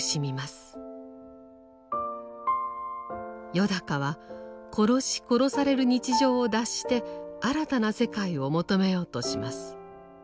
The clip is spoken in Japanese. よだかは殺し殺される日常を脱して新たな世界を求めようとします。